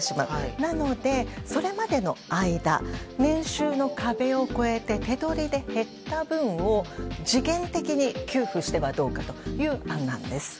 なので、それまでの間年収の壁を超えて手取りで減った分を時限的に給付してはどうかという案なんです。